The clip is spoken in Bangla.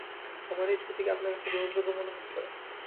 আমার এই যুক্তি কি আপনার কাছে গ্রহণযোগ্য মনে হচ্ছে?